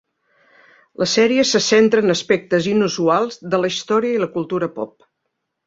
La sèrie se centra en aspectes inusuals de la història i la cultura pop.